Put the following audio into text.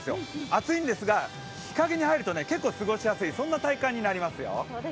暑いんですが、日陰に入ると過ごしやすい体感になりますよ。